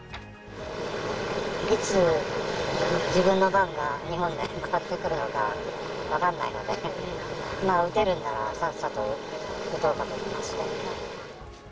いつ、自分の番が日本で回ってくるのか分かんないので、打てるんなら、さっさと打とうかと思いまして。